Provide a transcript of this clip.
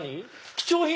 貴重品？